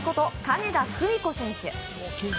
金田久美子選手。